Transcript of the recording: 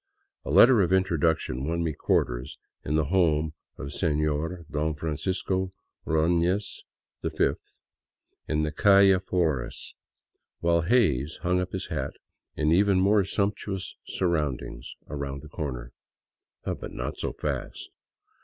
A letter of introduction won me quarters in the home of Seiior Don Francisco Ordofiez V, in the calle Flores, while Hays hung up his hat in even more sumptuous surroundings around the corner. But not so fast